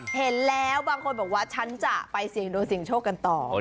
เห็นแล้วบางคนบอกว่าฉันจะไปเสี่ยงโดนเสี่ยงโชคกันต่อ